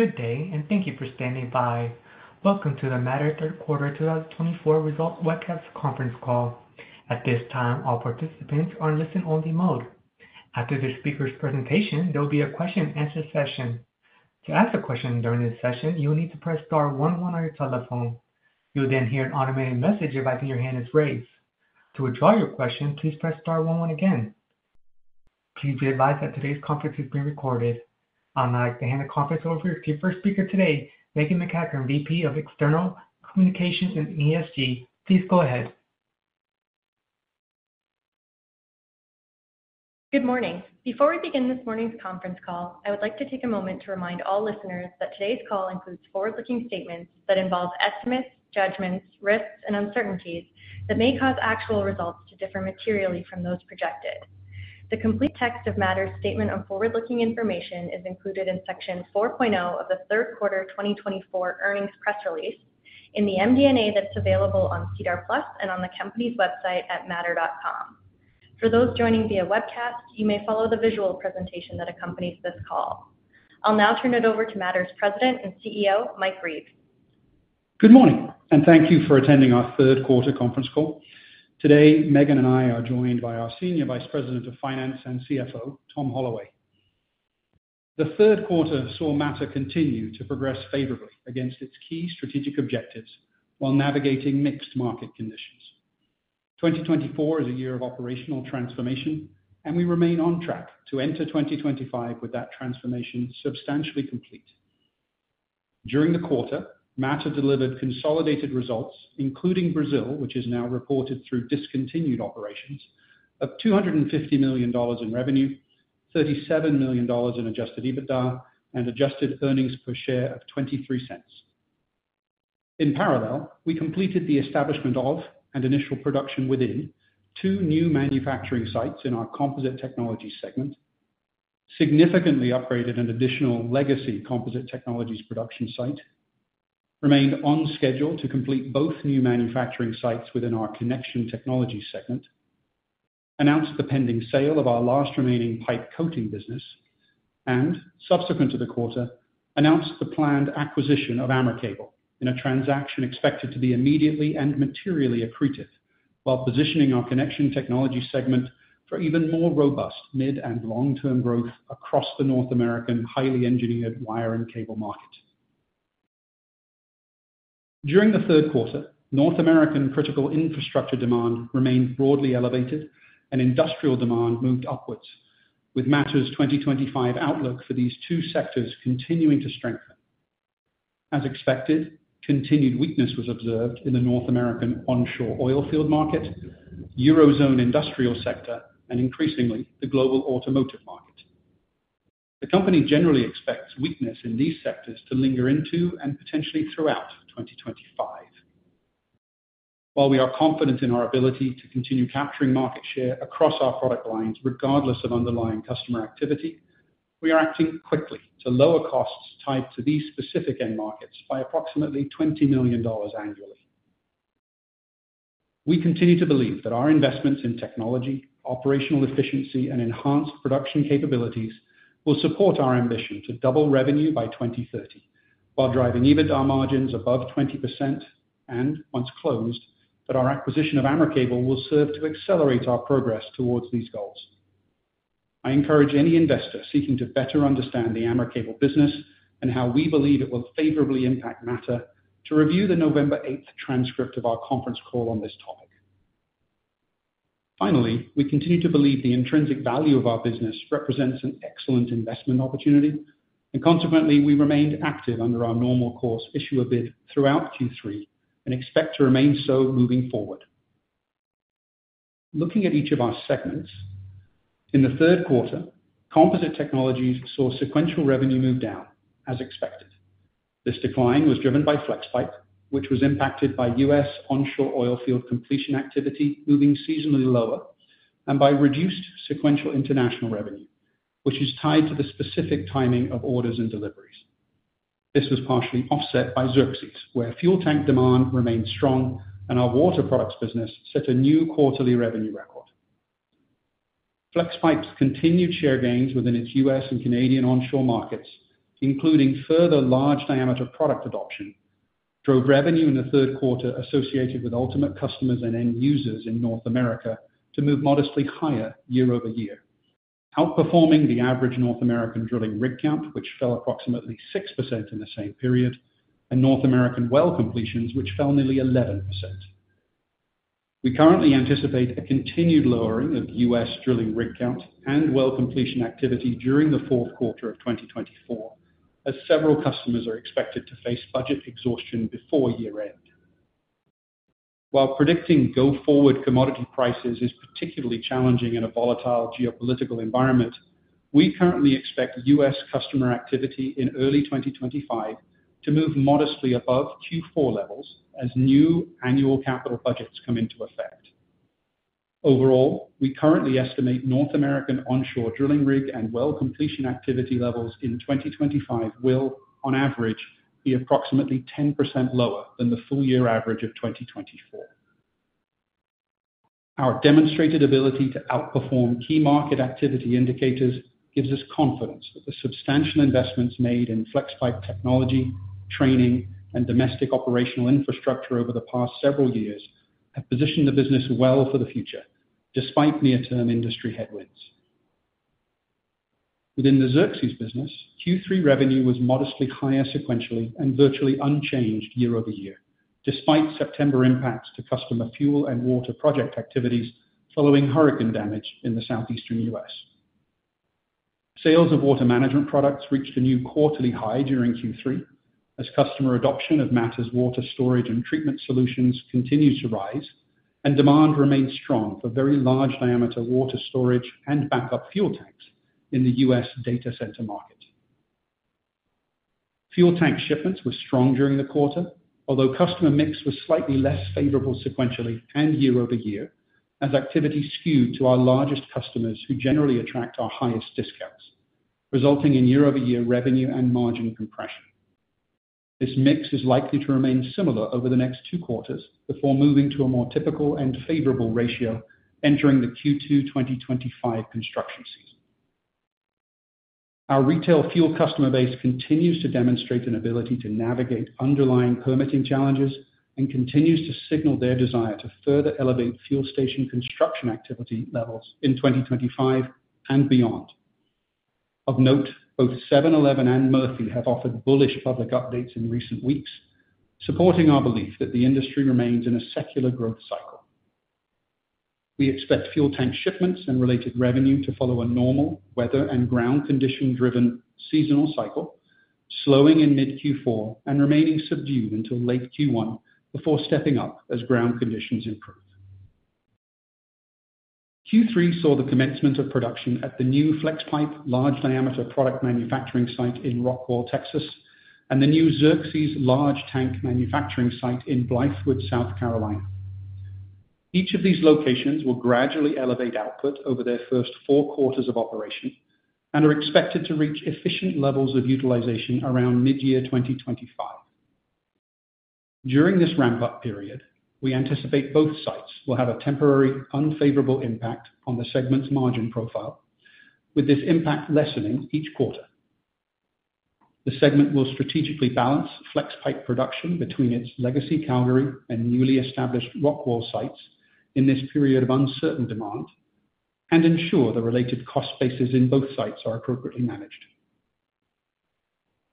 Good day, and thank you for standing by. Welcome to the Mattr Third Quarter 2024 Results Webcast conference call. At this time, all participants are in listen-only mode. After this speaker's presentation, there will be a question-and-answer session. To ask a question during this session, you will need to press star one one on your telephone. You will then hear an automated message advising your hand is raised. To withdraw your question, please press star one one again. Please be advised that today's conference is being recorded. I would like to hand the conference over to our first speaker today, Meghan MacEachern, VP of External Communications and ESG. Please go ahead. Good morning. Before we begin this morning's conference call, I would like to take a moment to remind all listeners that today's call includes forward-looking statements that involve estimates, judgments, risks, and uncertainties that may cause actual results to differ materially from those projected. The complete text of Mattr's statement on forward-looking information is included in Section 4.0 of the third quarter 2024 earnings press release in the MD&A that's available on SEDAR+ and on the company's website at mattr.com. For those joining via webcast, you may follow the visual presentation that accompanies this call. I'll now turn it over to Mattr's President and CEO, Mike Reeves. Good morning, and thank you for attending our third quarter conference call. Today, Meghan and I are joined by our Senior Vice President of Finance and CFO, Tom Holloway. The third quarter saw Mattr continue to progress favorably against its key strategic objectives while navigating mixed market conditions. 2024 is a year of operational transformation, and we remain on track to enter 2025 with that transformation substantially complete. During the quarter, Mattr delivered consolidated results, including Brazil, which is now reported through discontinued operations, of $250 million in revenue, $37 million in Adjusted EBITDA, and adjusted earnings per share of $0.23. In parallel, we completed the establishment of and initial production within two new manufacturing sites in our Composite Technologies segment, significantly upgraded an additional legacy Composite Technologies production site, remained on schedule to complete both new manufacturing sites within our Connection Technologies segment, announced the pending sale of our last remaining pipe coating business, and, subsequent to the quarter, announced the planned acquisition of AmerCable in a transaction expected to be immediately and materially accretive while positioning our Connection Technologies segment for even more robust mid- and long-term growth across the North American highly engineered wire and cable market. During the third quarter, North American critical infrastructure demand remained broadly elevated, and industrial demand moved upwards, with Mattr's 2025 outlook for these two sectors continuing to strengthen. As expected, continued weakness was observed in the North American onshore oil field market, Eurozone industrial sector, and increasingly the global automotive market. The company generally expects weakness in these sectors to linger into and potentially throughout 2025. While we are confident in our ability to continue capturing market share across our product lines regardless of underlying customer activity, we are acting quickly to lower costs tied to these specific end markets by approximately $20 million annually. We continue to believe that our investments in technology, operational efficiency, and enhanced production capabilities will support our ambition to double revenue by 2030 while driving EBITDA margins above 20% and, once closed, that our acquisition of AmerCable will serve to accelerate our progress towards these goals. I encourage any investor seeking to better understand the AmerCable business and how we believe it will favorably impact Mattr to review the November 8 transcript of our conference call on this topic. Finally, we continue to believe the intrinsic value of our business represents an excellent investment opportunity, and consequently, we remained active under our normal course issuer bid throughout Q3 and expect to remain so moving forward. Looking at each of our segments, in the third quarter, Composite Technologies saw sequential revenue move down, as expected. This decline was driven by FlexPipe, which was impacted by U.S. onshore oil field completion activity moving seasonally lower, and by reduced sequential international revenue, which is tied to the specific timing of orders and deliveries. This was partially offset by Xerxes, where fuel tank demand remained strong, and our water products business set a new quarterly revenue record. FlexPipe's continued share gains within its U.S. and Canadian onshore markets, including further large diameter product adoption, drove revenue in the third quarter associated with ultimate customers and end users in North America to move modestly higher year-over-year, outperforming the average North American drilling rig count, which fell approximately 6% in the same period, and North American well completions, which fell nearly 11%. We currently anticipate a continued lowering of U.S. drilling rig count and well completion activity during the fourth quarter of 2024, as several customers are expected to face budget exhaustion before year-end. While predicting go-forward commodity prices is particularly challenging in a volatile geopolitical environment, we currently expect U.S. customer activity in early 2025 to move modestly above Q4 levels as new annual capital budgets come into effect. Overall, we currently estimate North American onshore drilling rig and well completion activity levels in 2025 will, on average, be approximately 10% lower than the full-year average of 2024. Our demonstrated ability to outperform key market activity indicators gives us confidence that the substantial investments made in FlexPipe technology, training, and domestic operational infrastructure over the past several years have positioned the business well for the future, despite near-term industry headwinds. Within the Xerxes business, Q3 revenue was modestly higher sequentially and virtually unchanged year-over-year, despite September impacts to customer fuel and water project activities following hurricane damage in the southeastern U.S. Sales of water management products reached a new quarterly high during Q3, as customer adoption of Mattr's water storage and treatment solutions continues to rise, and demand remained strong for very large diameter water storage and backup fuel tanks in the U.S. data center market. Fuel tank shipments were strong during the quarter, although customer mix was slightly less favorable sequentially and year-over-year, as activity skewed to our largest customers who generally attract our highest discounts, resulting in year-over-year revenue and margin compression. This mix is likely to remain similar over the next two quarters before moving to a more typical and favorable ratio entering the Q2 2025 construction season. Our retail fuel customer base continues to demonstrate an ability to navigate underlying permitting challenges and continues to signal their desire to further elevate fuel station construction activity levels in 2025 and beyond. Of note, both 7-Eleven and Murphy have offered bullish public updates in recent weeks, supporting our belief that the industry remains in a secular growth cycle. We expect fuel tank shipments and related revenue to follow a normal weather and ground condition-driven seasonal cycle, slowing in mid-Q4 and remaining subdued until late Q1 before stepping up as ground conditions improve. Q3 saw the commencement of production at the new FlexPipe large diameter product manufacturing site in Rockwall, Texas, and the new Xerxes large tank manufacturing site in Blythewood, South Carolina. Each of these locations will gradually elevate output over their first four quarters of operation and are expected to reach efficient levels of utilization around mid-year 2025. During this ramp-up period, we anticipate both sites will have a temporary unfavorable impact on the segment's margin profile, with this impact lessening each quarter. The segment will strategically balance FlexPipe production between its legacy Calgary and newly established Rockwall sites in this period of uncertain demand and ensure the related cost spaces in both sites are appropriately managed.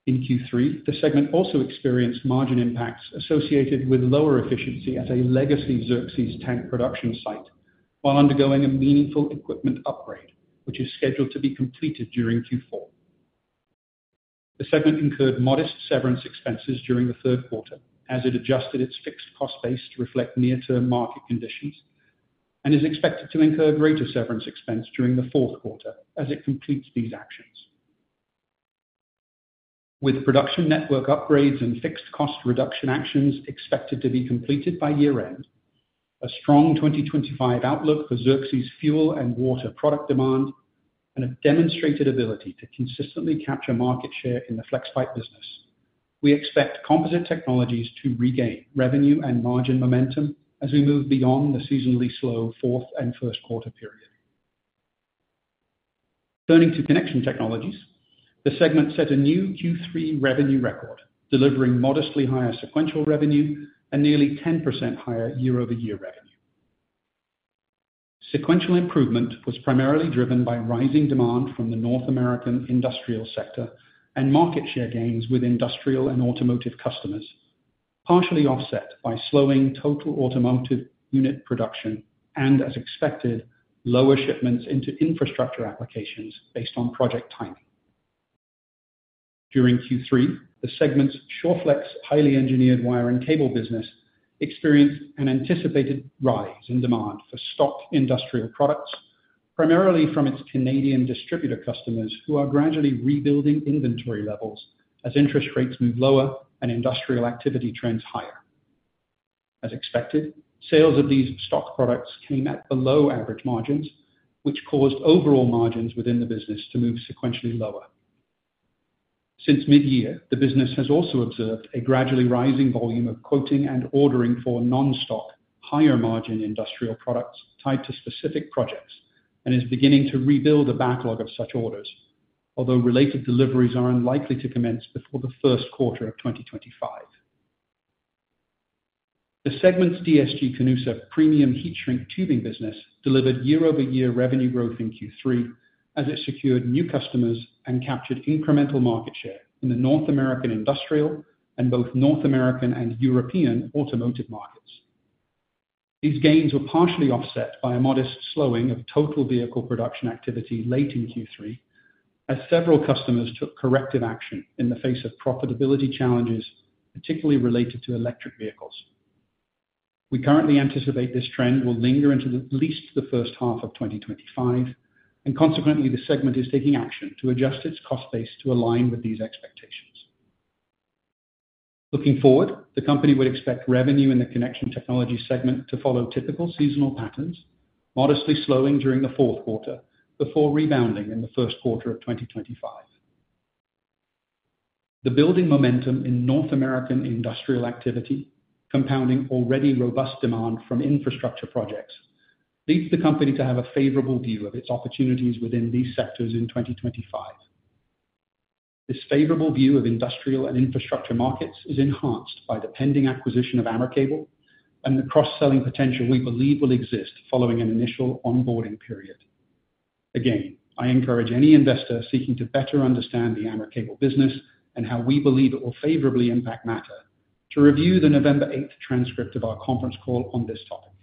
In Q3, the segment also experienced margin impacts associated with lower efficiency at a legacy Xerxes tank production site while undergoing a meaningful equipment upgrade, which is scheduled to be completed during Q4. The segment incurred modest severance expenses during the third quarter, as it adjusted its fixed cost base to reflect near-term market conditions, and is expected to incur greater severance expense during the fourth quarter as it completes these actions. With production network upgrades and fixed cost reduction actions expected to be completed by year-end, a strong 2025 outlook for Xerxes fuel and water product demand, and a demonstrated ability to consistently capture market share in the FlexPipe business, we expect Composite Technologies to regain revenue and margin momentum as we move beyond the seasonally slow fourth and first quarter period. Turning to Connection Technologies, the segment set a new Q3 revenue record, delivering modestly higher sequential revenue and nearly 10% higher year-over-year revenue. Sequential improvement was primarily driven by rising demand from the North American industrial sector and market share gains with industrial and automotive customers, partially offset by slowing total automotive unit production and, as expected, lower shipments into infrastructure applications based on project timing. During Q3, the segment's Shawflex highly engineered wire and cable business experienced an anticipated rise in demand for stock industrial products, primarily from its Canadian distributor customers who are gradually rebuilding inventory levels as interest rates move lower and industrial activity trends higher. As expected, sales of these stock products came at below average margins, which caused overall margins within the business to move sequentially lower. Since mid-year, the business has also observed a gradually rising volume of quoting and ordering for non-stock, higher margin industrial products tied to specific projects and is beginning to rebuild a backlog of such orders, although related deliveries are unlikely to commence before the first quarter of 2025. The segment's DSG-Canusa premium heat-shrink tubing business delivered year-over-year revenue growth in Q3 as it secured new customers and captured incremental market share in the North American industrial and both North American and European automotive markets. These gains were partially offset by a modest slowing of total vehicle production activity late in Q3, as several customers took corrective action in the face of profitability challenges, particularly related to electric vehicles. We currently anticipate this trend will linger into at least the first half of 2025, and consequently, the segment is taking action to adjust its cost base to align with these expectations. Looking forward, the company would expect revenue in the Connection Technologies segment to follow typical seasonal patterns, modestly slowing during the fourth quarter before rebounding in the first quarter of 2025. The building momentum in North American industrial activity, compounding already robust demand from infrastructure projects, leads the company to have a favorable view of its opportunities within these sectors in 2025. This favorable view of industrial and infrastructure markets is enhanced by the pending acquisition of AmerCable and the cross-selling potential we believe will exist following an initial onboarding period. Again, I encourage any investor seeking to better understand the AmerCable business and how we believe it will favorably impact Mattr to review the November 8 transcript of our conference call on this topic.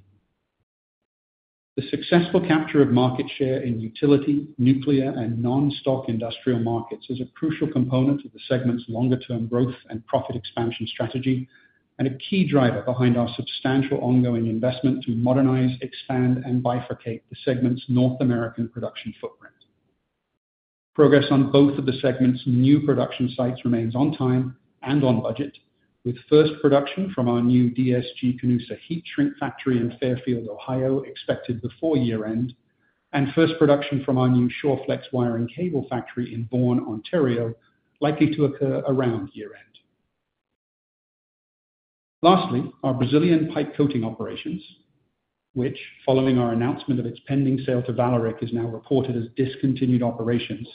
The successful capture of market share in utility, nuclear, and non-stock industrial markets is a crucial component of the segment's longer-term growth and profit expansion strategy and a key driver behind our substantial ongoing investment to modernize, expand, and bifurcate the segment's North American production footprint. Progress on both of the segment's new production sites remains on time and on budget, with first production from our new DSG-Canusa heat-shrink factory in Fairfield, Ohio, expected before year-end, and first production from our new Shawflex wire and cable factory in Vaughan, Ontario, likely to occur around year-end. Lastly, our Brazilian pipe coating operations, which, following our announcement of its pending sale to Vallourec, is now reported as discontinued operations,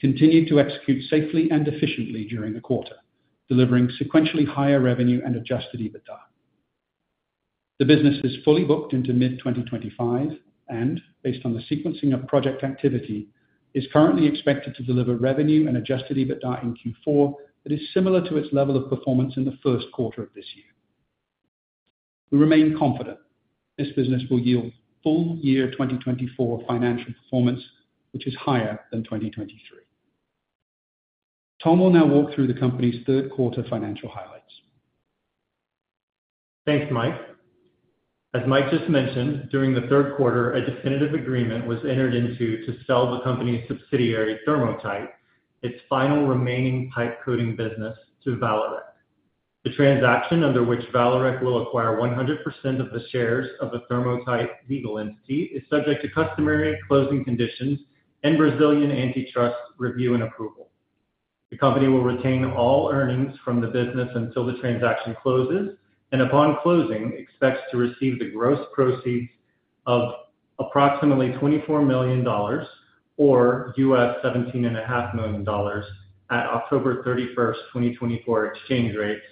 continued to execute safely and efficiently during the quarter, delivering sequentially higher revenue and Adjusted EBITDA. The business is fully booked into mid-2025 and, based on the sequencing of project activity, is currently expected to deliver revenue and Adjusted EBITDA in Q4 that is similar to its level of performance in the first quarter of this year. We remain confident this business will yield full-year 2024 financial performance, which is higher than 2023. Tom will now walk through the company's third quarter financial highlights. Thanks, Mike. As Mike just mentioned, during the third quarter, a definitive agreement was entered into to sell the company's subsidiary, Thermotite, its final remaining pipe coating business to Vallourec. The transaction under which Vallourec will acquire 100% of the shares of a Thermotite legal entity is subject to customary closing conditions and Brazilian antitrust review and approval. The company will retain all earnings from the business until the transaction closes and, upon closing, expects to receive the gross proceeds of approximately 24 million dollars or $17.5 million at October 31, 2024 exchange rates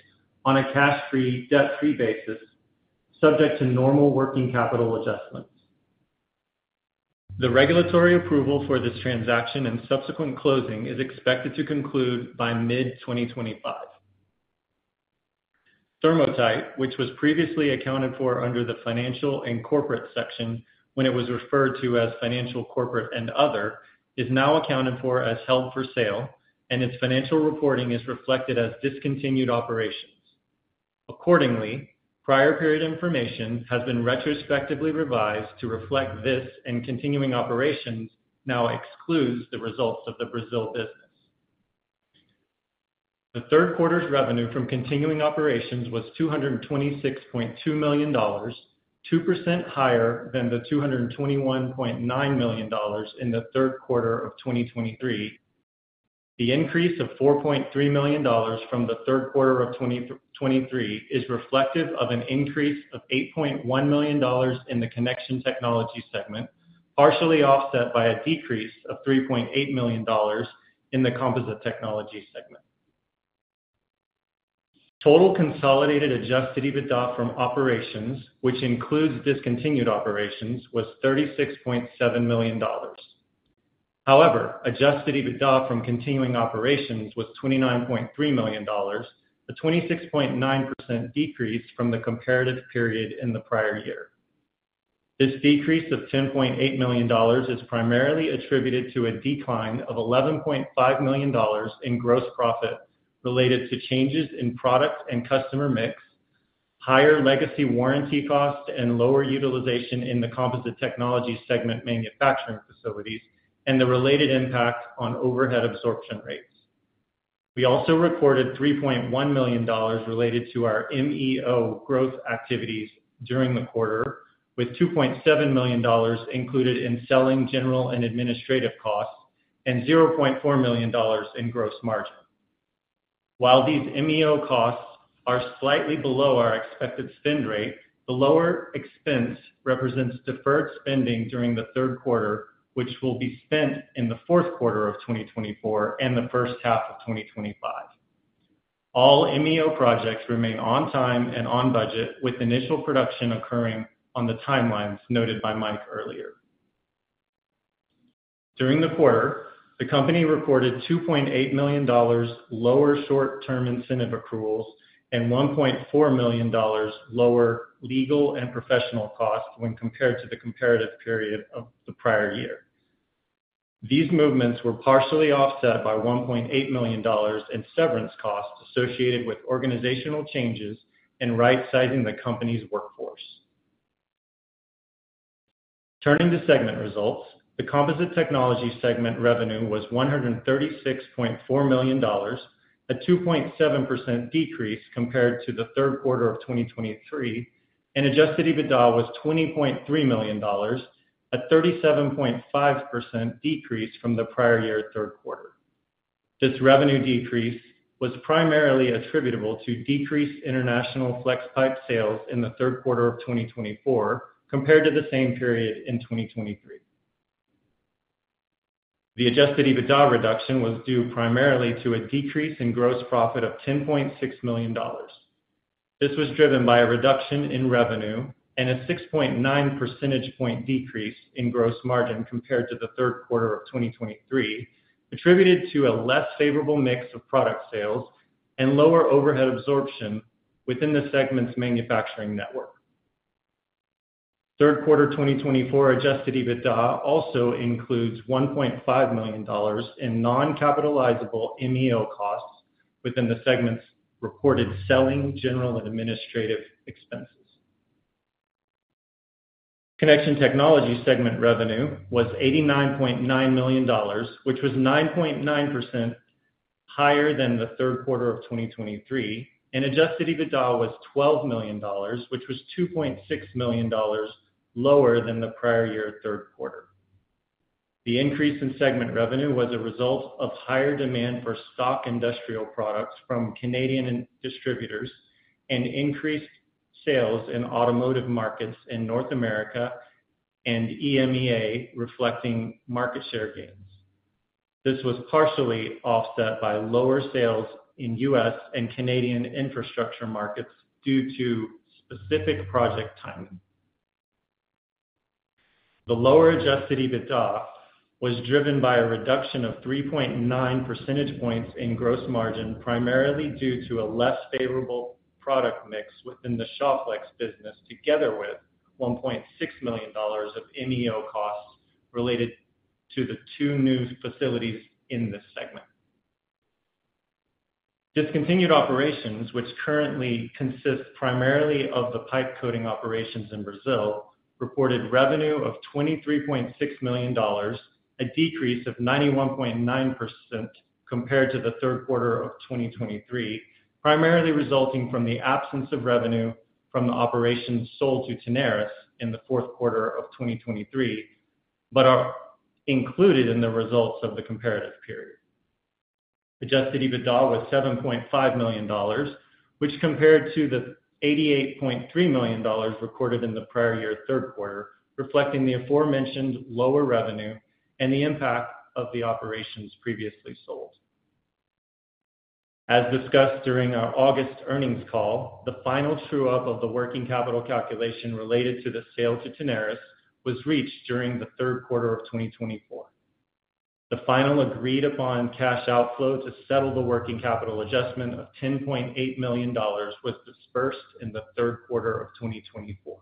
on a cash-free, debt-free basis, subject to normal working capital adjustments. The regulatory approval for this transaction and subsequent closing is expected to conclude by mid-2025. Thermotite, which was previously accounted for under the financial and corporate section when it was referred to as financial, corporate, and other, is now accounted for as held for sale, and its financial reporting is reflected as discontinued operations. Accordingly, prior period information has been retrospectively revised to reflect this and continuing operations now excludes the results of the Brazil business. The third quarter's revenue from continuing operations was 226.2 million dollars, 2% higher than the 221.9 million dollars in the third quarter of 2023. The increase of 4.3 million dollars from the third quarter of 2023 is reflective of an increase of 8.1 million dollars in the Connection Technologies segment, partially offset by a decrease of 3.8 million dollars in the Composite Technologies segment. Total consolidated Adjusted EBITDA from operations, which includes discontinued operations, was 36.7 million dollars. However, Adjusted EBITDA from continuing operations was 29.3 million dollars, a 26.9% decrease from the comparative period in the prior year. This decrease of 10.8 million dollars is primarily attributed to a decline of 11.5 million dollars in gross profit related to changes in product and customer mix, higher legacy warranty costs and lower utilization in the Composite Technologies segment manufacturing facilities, and the related impact on overhead absorption rates. We also recorded 3.1 million dollars related to our MEO growth activities during the quarter, with 2.7 million dollars included in selling general and administrative costs and 0.4 million dollars in gross margin. While these MEO costs are slightly below our expected spend rate, the lower expense represents deferred spending during the third quarter, which will be spent in the fourth quarter of 2024 and the first half of 2025. All MEO projects remain on time and on budget, with initial production occurring on the timelines noted by Mike earlier. During the quarter, the company recorded 2.8 million dollars lower short-term incentive accruals and 1.4 million dollars lower legal and professional costs when compared to the comparative period of the prior year. These movements were partially offset by 1.8 million dollars in severance costs associated with organizational changes and right-sizing the company's workforce. Turning to segment results, the Composite Technologies segment revenue was 136.4 million dollars, a 2.7% decrease compared to the third quarter of 2023, and Adjusted EBITDA was 20.3 million dollars, a 37.5% decrease from the prior year third quarter. This revenue decrease was primarily attributable to decreased international FlexPipe sales in the third quarter of 2024 compared to the same period in 2023. The Adjusted EBITDA reduction was due primarily to a decrease in gross profit of 10.6 million dollars. This was driven by a reduction in revenue and a 6.9 percentage point decrease in gross margin compared to the third quarter of 2023, attributed to a less favorable mix of product sales and lower overhead absorption within the segment's manufacturing network. third quarter 2024 Adjusted EBITDA also includes 1.5 million dollars in non-capitalizable MEO costs within the segment's reported selling, general and administrative expenses. Connection Technologies segment revenue was 89.9 million dollars, which was 9.9% higher than the third quarter of 2023, and Adjusted EBITDA was 12 million dollars, which was 2.6 million dollars lower than the prior year third quarter. The increase in segment revenue was a result of higher demand for stock industrial products from Canadian distributors and increased sales in automotive markets in North America and EMEA reflecting market share gains. This was partially offset by lower sales in U.S. and Canadian infrastructure markets due to specific project timing. The lower adjusted EBITDA was driven by a reduction of 3.9 percentage points in gross margin, primarily due to a less favorable product mix within the Shawflex business, together with 1.6 million dollars of MEO costs related to the two new facilities in this segment. Discontinued operations, which currently consist primarily of the pipe coating operations in Brazil, reported revenue of 23.6 million dollars, a decrease of 91.9% compared to the third quarter of 2023, primarily resulting from the absence of revenue from the operations sold to Tenaris in the fourth quarter of 2023, but are included in the results of the comparative period. Adjusted EBITDA was 7.5 million dollars, which compared to the 88.3 million dollars recorded in the prior year third quarter, reflecting the aforementioned lower revenue and the impact of the operations previously sold. As discussed during our August earnings call, the final true-up of the working capital calculation related to the sale to Tenaris was reached during the third quarter of 2024. The final agreed-upon cash outflow to settle the working capital adjustment of 10.8 million dollars was dispersed in the third quarter of 2024.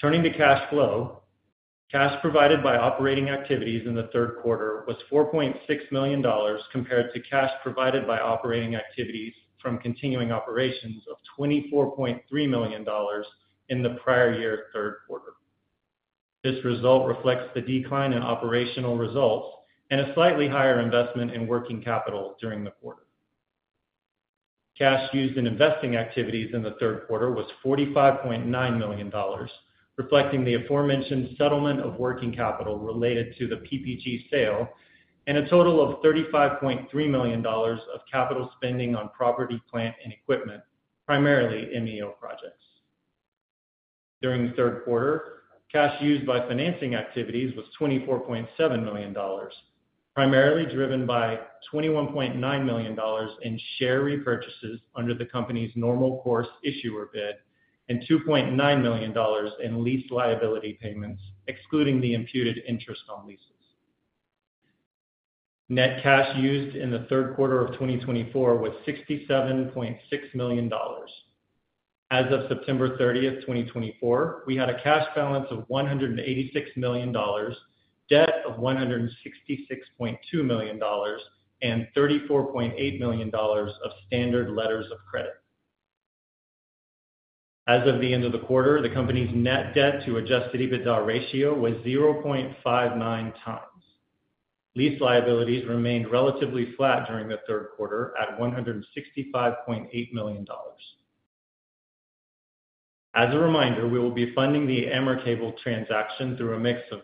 Turning to cash flow, cash provided by operating activities in the third quarter was 4.6 million dollars compared to cash provided by operating activities from continuing operations of 24.3 million dollars in the prior year third quarter. This result reflects the decline in operational results and a slightly higher investment in working capital during the quarter. Cash used in investing activities in the third quarter was 45.9 million dollars, reflecting the aforementioned settlement of working capital related to the PPG sale, and a total of 35.3 million dollars of capital spending on property, plant, and equipment, primarily MEO projects. During the third quarter, cash used by financing activities was 24.7 million dollars, primarily driven by 21.9 million dollars in share repurchases under the company's normal course issuer bid and 2.9 million dollars in lease liability payments, excluding the imputed interest on leases. Net cash used in the third quarter of 2024 was 67.6 million dollars. As of September 30, 2024, we had a cash balance of 186 million dollars, debt of 166.2 million dollars, and 34.8 million dollars of standard letters of credit. As of the end of the quarter, the company's net debt-to-Adjusted EBITDA ratio was 0.59x. Lease liabilities remained relatively flat during the third quarter at 165.8 million dollars. As a reminder, we will be funding the AmerCable transaction through a mix of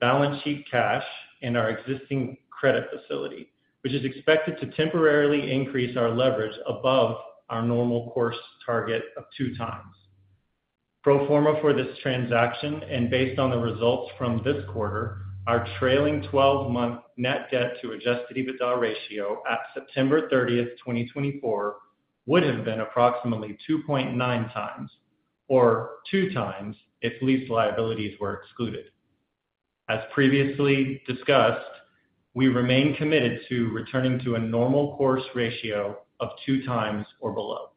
balance sheet cash and our existing credit facility, which is expected to temporarily increase our leverage above our normal course target of 2x. Pro forma for this transaction, and based on the results from this quarter, our trailing 12-month net debt-to-Adjusted EBITDA ratio at September 30, 2024, would have been approximately 2.9x, or 2x if lease liabilities were excluded. As previously discussed, we remain committed to returning to a normal course ratio of 2x or below.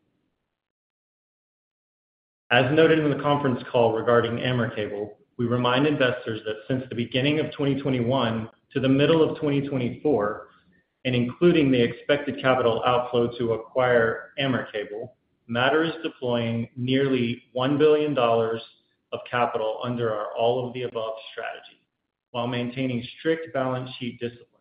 As noted in the conference call regarding AmerCable, we remind investors that since the beginning of 2021 to the middle of 2024, and including the expected capital outflow to acquire AmerCable, Mattr is deploying nearly 1 billion dollars of capital under our all-of-the-above strategy while maintaining strict balance sheet discipline.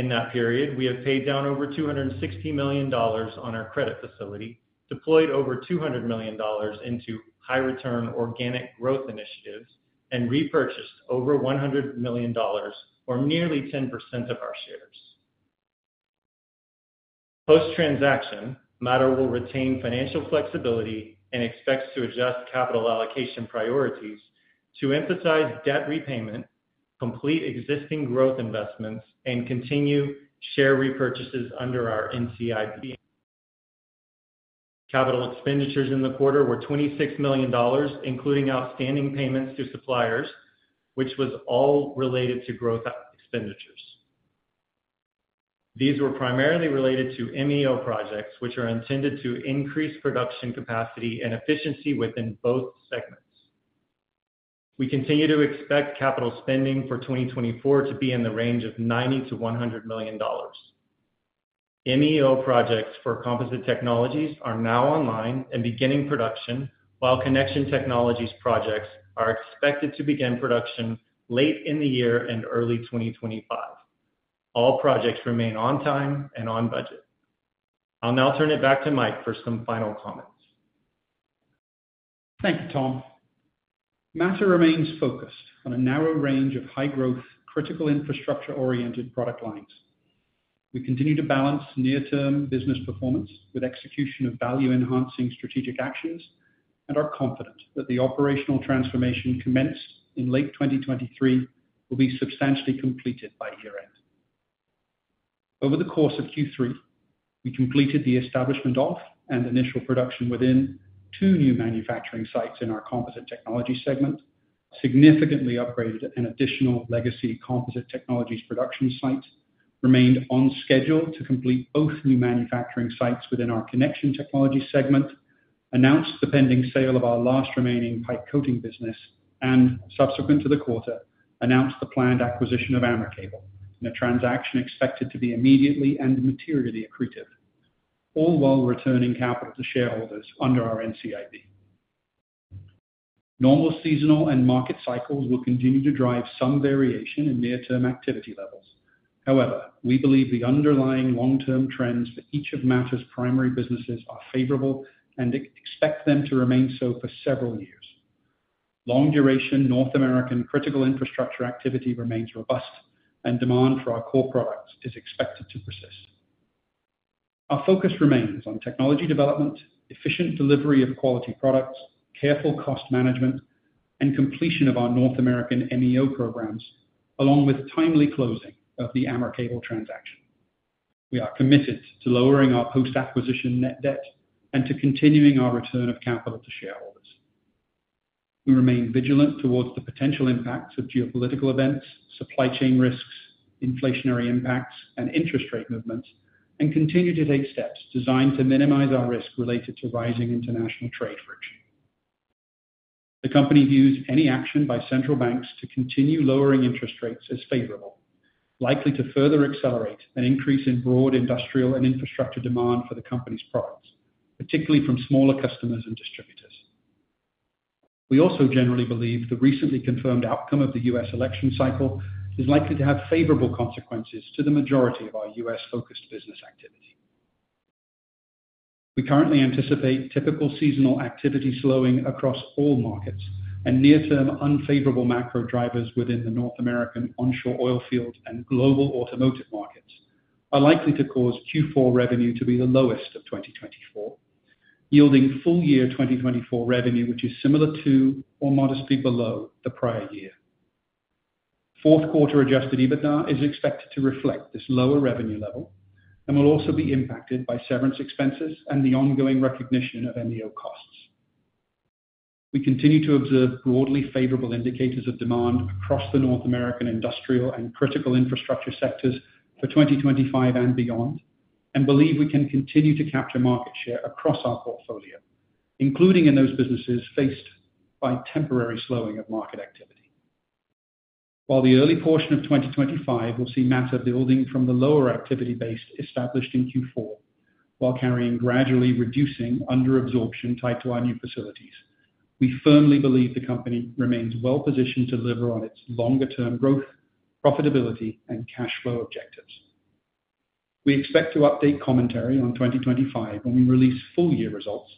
In that period, we have paid down over 260 million dollars on our credit facility, deployed over 200 million dollars into high-return organic growth initiatives, and repurchased over 100 million dollars, or nearly 10% of our shares. Post-transaction, Mattr will retain financial flexibility and expects to adjust capital allocation priorities to emphasize debt repayment, complete existing growth investments, and continue share repurchases under our NCIB. Capital expenditures in the quarter were 26 million dollars, including outstanding payments to suppliers, which was all related to growth expenditures. These were primarily related to MEO projects, which are intended to increase production capacity and efficiency within both segments. We continue to expect capital spending for 2024 to be in the range of 90 milion-CAD 100 million. MEO projects for Composite Technologies are now online and beginning production, while Connection Technologies projects are expected to begin production late in the year and early 2025. All projects remain on time and on budget. I'll now turn it back to Mike for some final comments. Thank you, Tom. Mattr remains focused on a narrow range of high-growth, critical infrastructure-oriented product lines. We continue to balance near-term business performance with execution of value-enhancing strategic actions, and are confident that the operational transformation commenced in late 2023 will be substantially completed by year-end. Over the course of Q3, we completed the establishment of and initial production within two new manufacturing sites in our Composite Technologies segment, significantly upgraded an additional legacy Composite Technologies production site, remained on schedule to complete both new manufacturing sites within our Connection Technologies segment, announced the pending sale of our last remaining pipe coating business, and subsequent to the quarter, announced the planned acquisition of AmerCable, a transaction expected to be immediately and materially accretive, all while returning capital to shareholders under our NCIB. Normal seasonal and market cycles will continue to drive some variation in near-term activity levels. However, we believe the underlying long-term trends for each of Mattr's primary businesses are favorable and expect them to remain so for several years. Long-duration North American critical infrastructure activity remains robust, and demand for our core products is expected to persist. Our focus remains on technology development, efficient delivery of quality products, careful cost management, and completion of our North American MEO programs, along with timely closing of the AmerCable transaction. We are committed to lowering our post-acquisition net debt and to continuing our return of capital to shareholders. We remain vigilant towards the potential impacts of geopolitical events, supply chain risks, inflationary impacts, and interest rate movements, and continue to take steps designed to minimize our risk related to rising international trade friction. The company views any action by central banks to continue lowering interest rates as favorable, likely to further accelerate an increase in broad industrial and infrastructure demand for the company's products, particularly from smaller customers and distributors. We also generally believe the recently confirmed outcome of the U.S. election cycle is likely to have favorable consequences to the majority of our U.S.-focused business activity. We currently anticipate typical seasonal activity slowing across all markets, and near-term unfavorable macro drivers within the North American onshore oil field and global automotive markets are likely to cause Q4 revenue to be the lowest of 2024, yielding full year 2024 revenue, which is similar to or modestly below the prior year. Fourth quarter Adjusted EBITDA is expected to reflect this lower revenue level and will also be impacted by severance expenses and the ongoing recognition of MEO costs. We continue to observe broadly favorable indicators of demand across the North American industrial and critical infrastructure sectors for 2025 and beyond, and believe we can continue to capture market share across our portfolio, including in those businesses faced by temporary slowing of market activity. While the early portion of 2025 will see Mattr building from the lower activity base established in Q4, while carrying gradually reducing under-absorption tied to our new facilities, we firmly believe the company remains well-positioned to deliver on its longer-term growth, profitability, and cash flow objectives. We expect to update commentary on 2025 when we release full year results,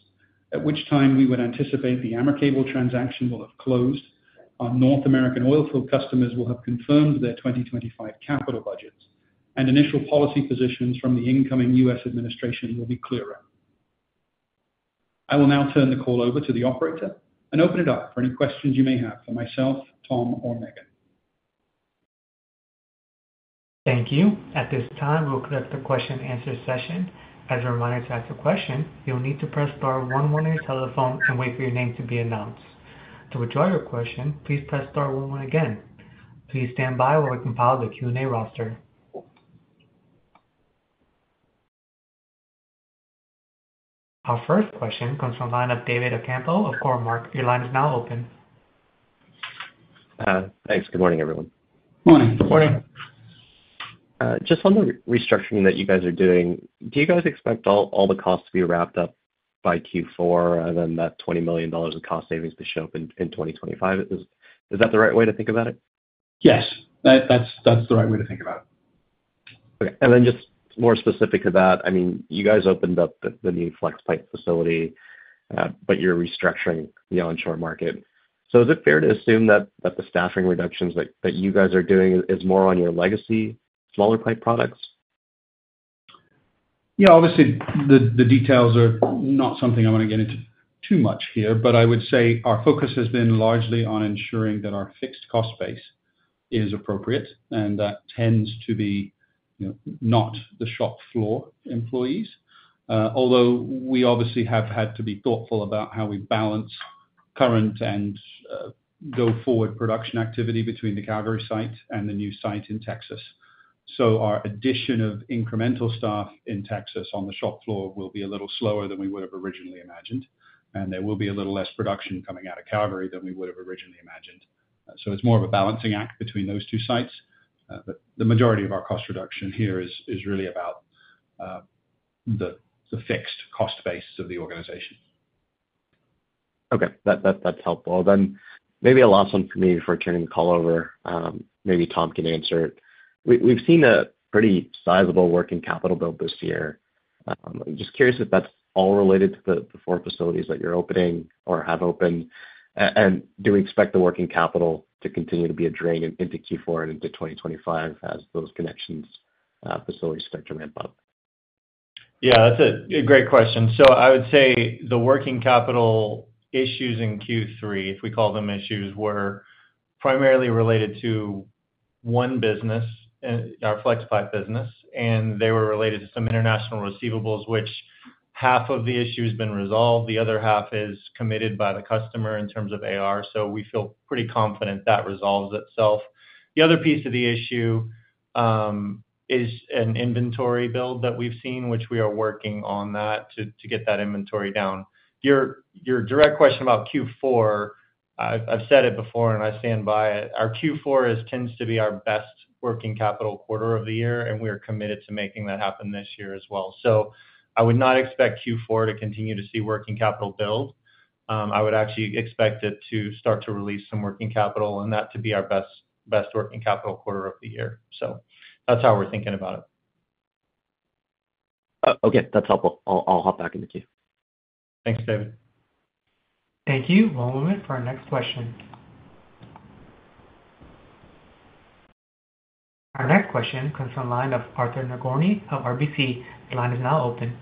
at which time we would anticipate the AmerCable transaction will have closed, our North American oil field customers will have confirmed their 2025 capital budgets, and initial policy positions from the incoming U.S. administration will be clearer. I will now turn the call over to the operator and open it up for any questions you may have for myself, Tom, or Meghan. Thank you. At this time, we'll close the question-and-answer session. As a reminder to ask a question, you'll need to press star one one on your telephone and wait for your name to be announced. To withdraw your question, please press star one one again. Please stand by while we compile the Q&A roster. Our first question comes from the line of David Ocampo of Cormark. Your line is now open. Thanks. Good morning, everyone. Morning. Morning. Just on the restructuring that you guys are doing, do you guys expect all the costs to be wrapped up by Q4, and then that 20 million dollars of cost savings to show up in 2025? Is that the right way to think about it? Yes. That's the right way to think about it. Okay, and then just more specific to that, I mean, you guys opened up the new FlexPipe facility, but you're restructuring the onshore market, so is it fair to assume that the staffing reductions that you guys are doing is more on your legacy smaller pipe products? Yeah. Obviously, the details are not something I want to get into too much here, but I would say our focus has been largely on ensuring that our fixed cost base is appropriate, and that tends to be not the shop floor employees, although we obviously have had to be thoughtful about how we balance current and go forward production activity between the Calgary site and the new site in Texas. So our addition of incremental staff in Texas on the shop floor will be a little slower than we would have originally imagined, and there will be a little less production coming out of Calgary than we would have originally imagined. So it's more of a balancing act between those two sites. The majority of our cost reduction here is really about the fixed cost base of the organization. Okay. That's helpful. Then maybe a last one for me before turning the call over. Maybe Tom can answer it. We've seen a pretty sizable working capital build this year. I'm just curious if that's all related to the four facilities that you're opening or have opened, and do we expect the working capital to continue to be a drain into Q4 and into 2025 as those Connection Technologies facilities start to ramp up? Yeah. That's a great question. So I would say the working capital issues in Q3, if we call them issues, were primarily related to one business, our FlexPipe business, and they were related to some international receivables, which half of the issue has been resolved. The other half is committed by the customer in terms of AR, so we feel pretty confident that resolves itself. The other piece of the issue is an inventory build that we've seen, which we are working on that to get that inventory down. Your direct question about Q4, I've said it before, and I stand by it. Our Q4 tends to be our best working capital quarter of the year, and we are committed to making that happen this year as well. So I would not expect Q4 to continue to see working capital build. I would actually expect it to start to release some working capital and that to be our best working capital quarter of the year. So that's how we're thinking about it. Okay. That's helpful. I'll hop back in the queue. Thanks, David. Thank you. One moment for our next question. Our next question comes from the line of Arthur Nagorny of RBC. The line is now open.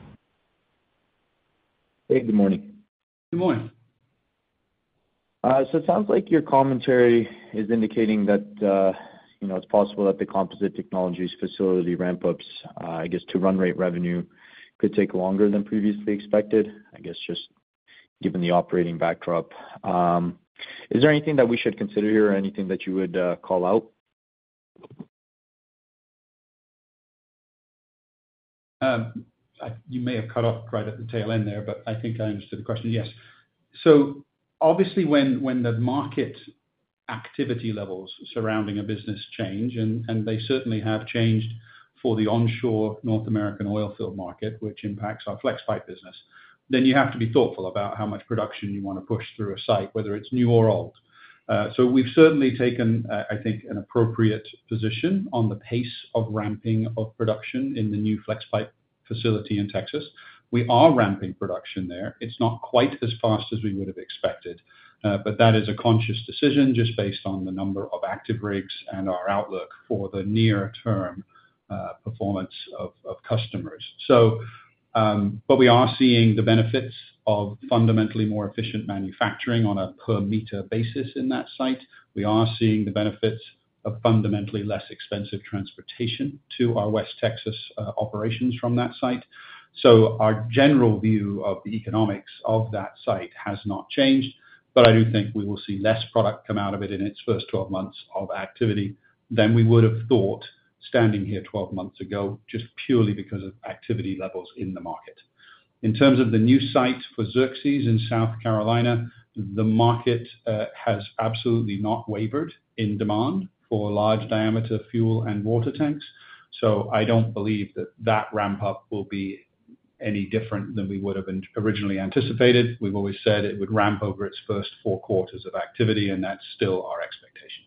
Hey. Good morning. Good morning. So it sounds like your commentary is indicating that it's possible that the Composite Technologies facility ramp-ups, I guess, to run rate revenue could take longer than previously expected, I guess, just given the operating backdrop. Is there anything that we should consider here or anything that you would call out? You may have cut off right at the tail end there, but I think I understood the question. Yes. So obviously, when the market activity levels surrounding a business change, and they certainly have changed for the onshore North American oil field market, which impacts our FlexPipe business, then you have to be thoughtful about how much production you want to push through a site, whether it's new or old. So we've certainly taken, I think, an appropriate position on the pace of ramping of production in the new FlexPipe facility in Texas. We are ramping production there. It's not quite as fast as we would have expected, but that is a conscious decision just based on the number of active rigs and our outlook for the near-term performance of customers. But we are seeing the benefits of fundamentally more efficient manufacturing on a per-meter basis in that site. We are seeing the benefits of fundamentally less expensive transportation to our West Texas operations from that site. So our general view of the economics of that site has not changed, but I do think we will see less product come out of it in its first 12 months of activity than we would have thought standing here 12 months ago, just purely because of activity levels in the market. In terms of the new site for Xerxes in South Carolina, the market has absolutely not wavered in demand for large diameter fuel and water tanks. So I don't believe that that ramp-up will be any different than we would have originally anticipated. We've always said it would ramp over its first four quarters of activity, and that's still our expectation.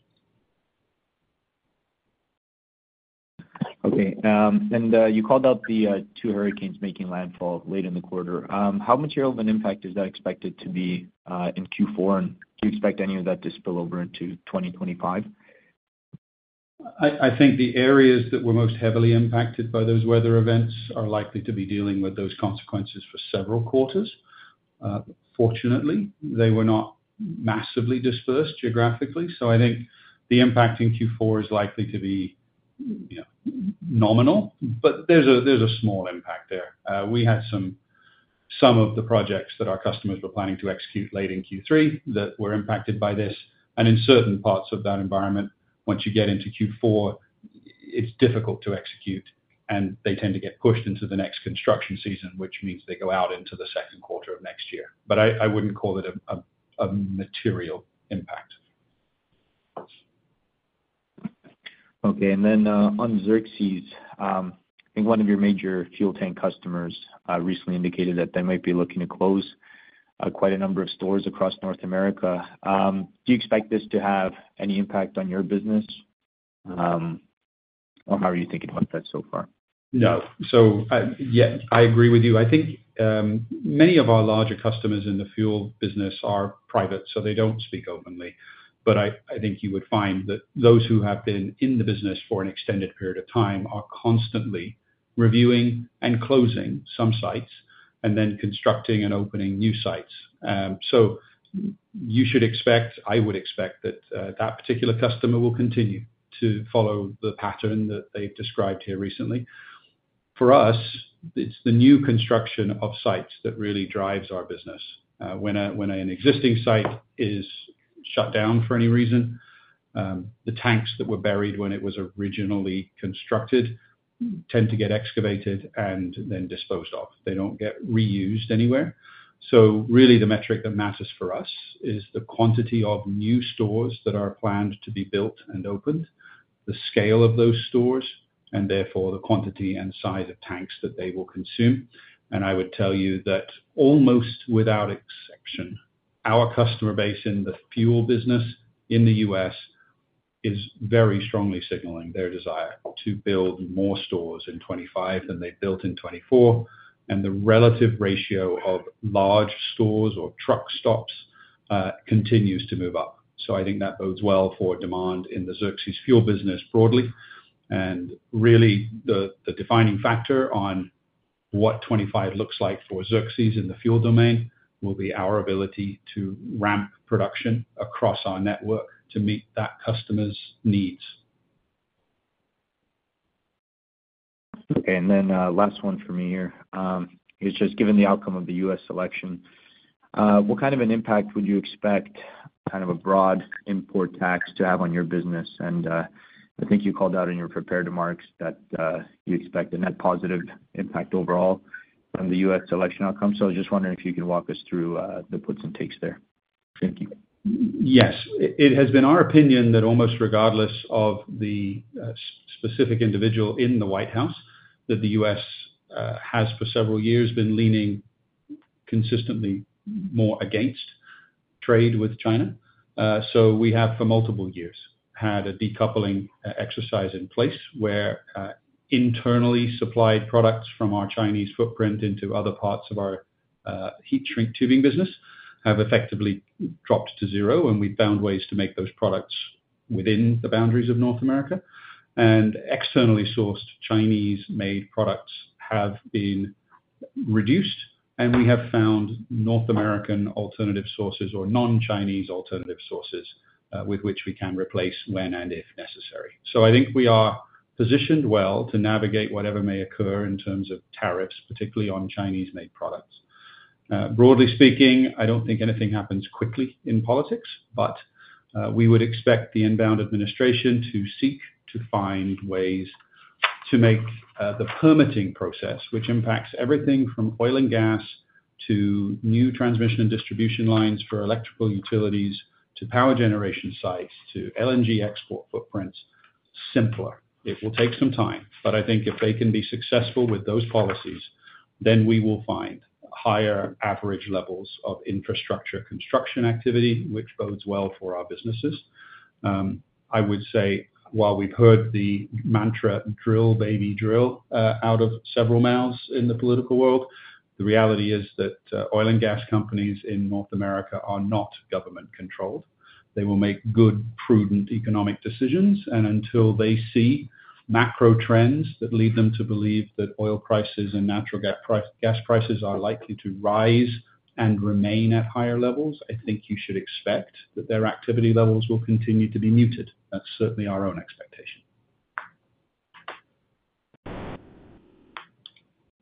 Okay. And you called out the two hurricanes making landfall late in the quarter. How material of an impact is that expected to be in Q4, and do you expect any of that to spill over into 2025? I think the areas that were most heavily impacted by those weather events are likely to be dealing with those consequences for several quarters. Fortunately, they were not massively dispersed geographically, so I think the impact in Q4 is likely to be nominal, but there's a small impact there. We had some of the projects that our customers were planning to execute late in Q3 that were impacted by this. And in certain parts of that environment, once you get into Q4, it's difficult to execute, and they tend to get pushed into the next construction season, which means they go out into the second quarter of next year. But I wouldn't call it a material impact. Okay. Then on Xerxes, I think one of your major fuel tank customers recently indicated that they might be looking to close quite a number of stores across North America. Do you expect this to have any impact on your business, or how are you thinking about that so far? No. So yeah, I agree with you. I think many of our larger customers in the fuel business are private, so they don't speak openly. But I think you would find that those who have been in the business for an extended period of time are constantly reviewing and closing some sites and then constructing and opening new sites. So you should expect, I would expect that that particular customer will continue to follow the pattern that they've described here recently. For us, it's the new construction of sites that really drives our business. When an existing site is shut down for any reason, the tanks that were buried when it was originally constructed tend to get excavated and then disposed of. They don't get reused anywhere, so really, the metric that matters for us is the quantity of new stores that are planned to be built and opened, the scale of those stores, and therefore the quantity and size of tanks that they will consume, and I would tell you that almost without exception, our customer base in the fuel business in the U.S. is very strongly signaling their desire to build more stores in 2025 than they built in 2024, and the relative ratio of large stores or truck stops continues to move up, so I think that bodes well for demand in the Xerxes fuel business broadly. And really, the defining factor on what 2025 looks like for Xerxes in the fuel domain will be our ability to ramp production across our network to meet that customer's needs. Okay. And then last one for me here is just given the outcome of the U.S. election, what kind of an impact would you expect kind of a broad import tax to have on your business? And I think you called out in your prepared remarks that you expect a net positive impact overall from the U.S. election outcome. So I was just wondering if you could walk us through the puts and takes there. Thank you. Yes. It has been our opinion that almost regardless of the specific individual in the White House, the U.S. has for several years been leaning consistently more against trade with China. We have for multiple years had a decoupling exercise in place where internally supplied products from our Chinese footprint into other parts of our heat shrink tubing business have effectively dropped to zero, and we've found ways to make those products within the boundaries of North America. And externally sourced Chinese-made products have been reduced, and we have found North American alternative sources or non-Chinese alternative sources with which we can replace when and if necessary. So I think we are positioned well to navigate whatever may occur in terms of tariffs, particularly on Chinese-made products. Broadly speaking, I don't think anything happens quickly in politics, but we would expect the incoming administration to seek to find ways to make the permitting process, which impacts everything from oil and gas to new transmission and distribution lines for electrical utilities to power generation sites to LNG export footprints, simpler. It will take some time, but I think if they can be successful with those policies, then we will find higher average levels of infrastructure construction activity, which bodes well for our businesses. I would say, while we've heard the mantra "drill, baby, drill" out of several mouths in the political world, the reality is that oil and gas companies in North America are not government-controlled. They will make good, prudent economic decisions, and until they see macro trends that lead them to believe that oil prices and natural gas prices are likely to rise and remain at higher levels, I think you should expect that their activity levels will continue to be muted. That's certainly our own expectation.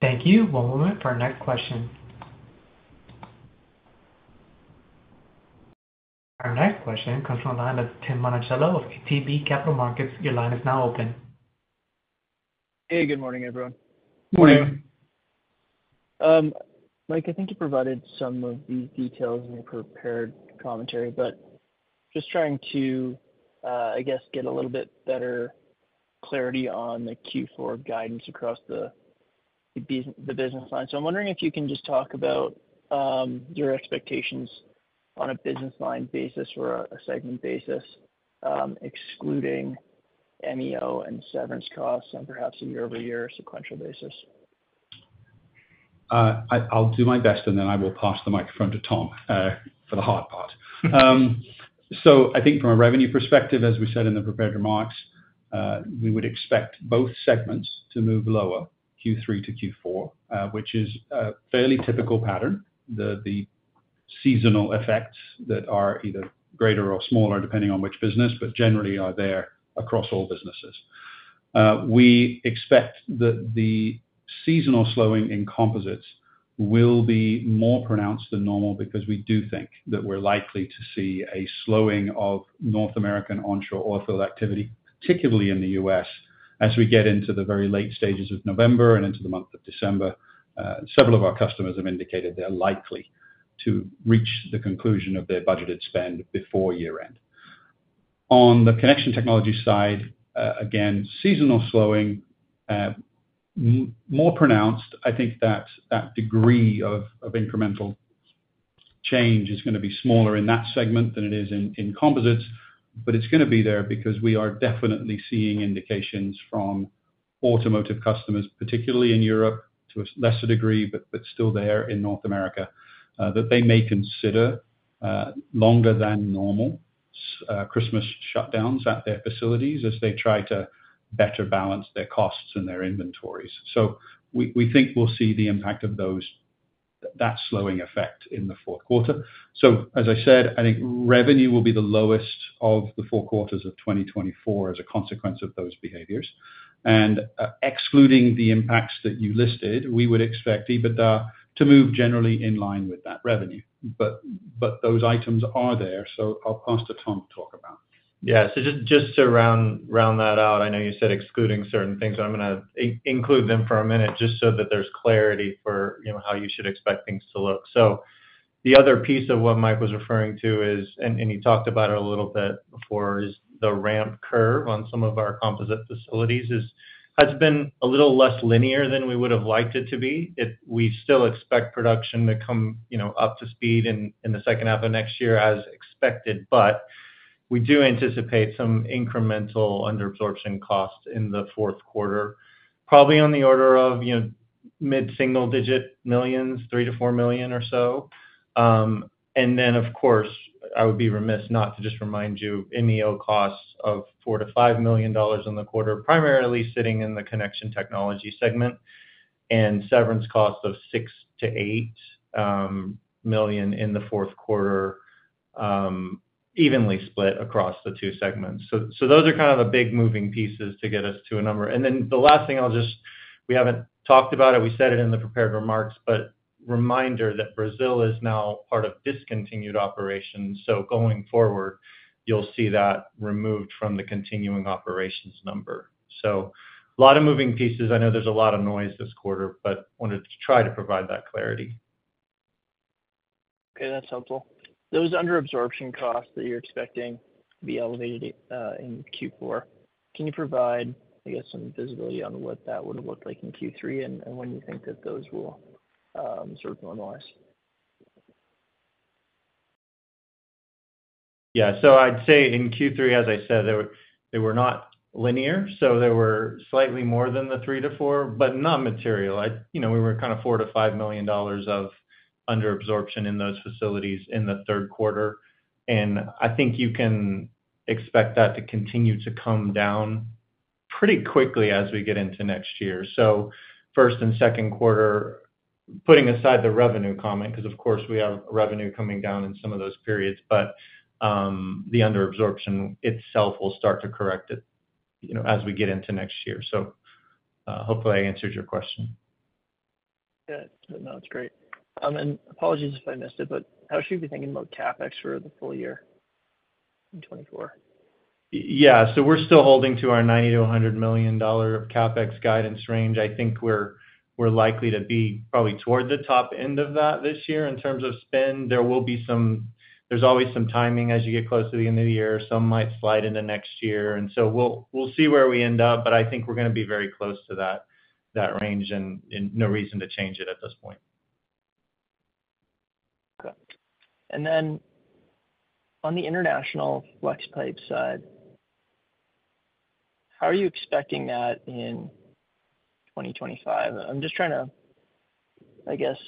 Thank you. One moment for our next question. Our next question comes from the line of Tim Monachello of ATB Capital Markets. Your line is now open. Hey. Good morning, everyone. Morning. Mike, I think you provided some of these details in your prepared commentary, but just trying to, I guess, get a little bit better clarity on the Q4 guidance across the business line. So I'm wondering if you can just talk about your expectations on a business line basis or a segment basis, excluding MEO and severance costs on perhaps a year-over-year sequential basis. I'll do my best, and then I will pass the microphone to Tom for the hard part. So I think from a revenue perspective, as we said in the prepared remarks, we would expect both segments to move lower Q3 to Q4, which is a fairly typical pattern. The seasonal effects that are either greater or smaller depending on which business, but generally are there across all businesses. We expect that the seasonal slowing in composites will be more pronounced than normal because we do think that we're likely to see a slowing of North American onshore oil field activity, particularly in the U.S., as we get into the very late stages of November and into the month of December. Several of our customers have indicated they're likely to reach the conclusion of their budgeted spend before year-end. On the connection technology side, again, seasonal slowing, more pronounced. I think that that degree of incremental change is going to be smaller in that segment than it is in composites, but it's going to be there because we are definitely seeing indications from automotive customers, particularly in Europe to a lesser degree, but still there in North America, that they may consider longer-than-normal Christmas shutdowns at their facilities as they try to better balance their costs and their inventories. So we think we'll see the impact of that slowing effect in the fourth quarter. So as I said, I think revenue will be the lowest of the four quarters of 2024 as a consequence of those behaviors. And excluding the impacts that you listed, we would expect EBITDA to move generally in line with that revenue. But those items are there, so I'll pass to Tom to talk about. Yeah. So just to round that out, I know you said excluding certain things, but I'm going to include them for a minute just so that there's clarity for how you should expect things to look. So the other piece of what Mike was referring to is, and he talked about it a little bit before, is the ramp curve on some of our composite facilities has been a little less linear than we would have liked it to be. We still expect production to come up to speed in the second half of next year as expected, but we do anticipate some incremental underabsorption costs in the fourth quarter, probably on the order of mid-single-digit millions, 3 million-4 million or so. And then, of course, I would be remiss not to just remind you MEO costs of 4 million-5 million dollars in the quarter, primarily sitting in the Connection Technologies segment, and severance costs of 6 million-8 million in the fourth quarter, evenly split across the two segments. So those are kind of the big moving pieces to get us to a number. And then the last thing I'll just. We haven't talked about it. We said it in the prepared remarks, but reminder that Brazil is now part of discontinued operations. So going forward, you'll see that removed from the continuing operations number. So a lot of moving pieces. I know there's a lot of noise this quarter, but wanted to try to provide that clarity. Okay. That's helpful. Those underabsorption costs that you're expecting to be elevated in Q4, can you provide, I guess, some visibility on what that would have looked like in Q3 and when you think that those will sort of normalize? Yeah. So I'd say in Q3, as I said, they were not linear. So they were slightly more than the 3 million-4 million, but not material. We were kind of 4 million-5 million dollars of underabsorption in those facilities in the third quarter. And I think you can expect that to continue to come down pretty quickly as we get into next year. So first and second quarter, putting aside the revenue comment, because of course, we have revenue coming down in some of those periods, but the underabsorption itself will start to correct it as we get into next year. So hopefully, I answered your question. Good. No, that's great. And apologies if I missed it, but how should we be thinking about CapEx for the full year in 2024? Yeah. So we're still holding to our 90 million-100 million dollar CapEx guidance range. I think we're likely to be probably toward the top end of that this year in terms of spend. There will be some, there's always some timing as you get close to the end of the year. Some might slide into next year. We'll see where we end up, but I think we're going to be very close to that range and no reason to change it at this point. Okay. And then on the international flex pipe side, how are you expecting that in 2025? I'm just trying to, I guess,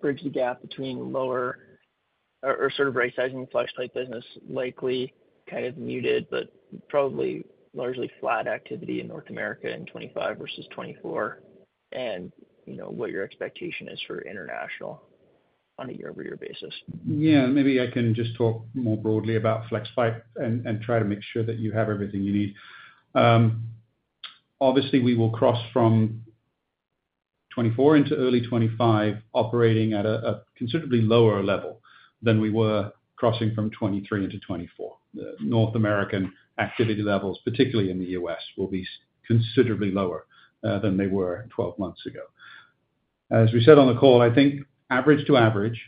bridge the gap between lower or sort of right-sizing the flex pipe business, likely kind of muted, but probably largely flat activity in North America in 2025 versus 2024, and what your expectation is for international on a year-over-year basis. Yeah. Maybe I can just talk more broadly about flex pipe and try to make sure that you have everything you need. Obviously, we will cross from 2024 into early 2025 operating at a considerably lower level than we were crossing from 2023 into 2024. North American activity levels, particularly in the U.S., will be considerably lower than they were 12 months ago. As we said on the call, I think average to average,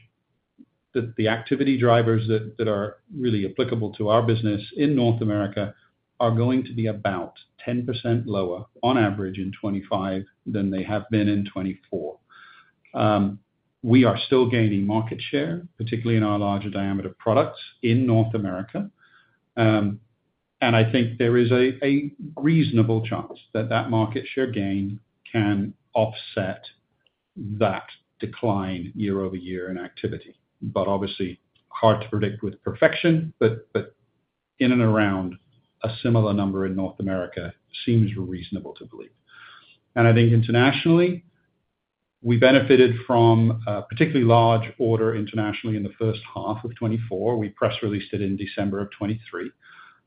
the activity drivers that are really applicable to our business in North America are going to be about 10% lower on average in 2025 than they have been in 2024. We are still gaining market share, particularly in our larger diameter products in North America, and I think there is a reasonable chance that that market share gain can offset that decline year-over-year in activity, but obviously, hard to predict with perfection, but in and around a similar number in North America seems reasonable to believe, and I think internationally, we benefited from a particularly large order internationally in the first half of 2024. We press released it in December of 2023.